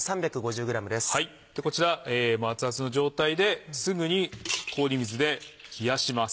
こちら熱々の状態ですぐに氷水で冷やします。